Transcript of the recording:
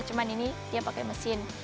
cuma ini dia pakai mesin